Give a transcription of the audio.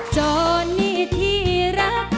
จนนี่ที่เก่งจนที่เก่งจนที่เก่ง